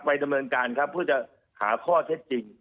ดำเนินการครับเพื่อจะหาข้อเท็จจริง